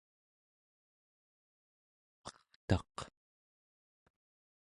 pertaq